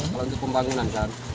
kalau untuk pembangunan kan